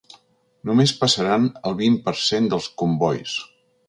Només passaran el vint per cent dels combois.